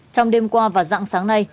trong đêm qua và dặn sáng nay